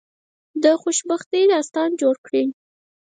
د خوشبختی داستان جوړ کړی.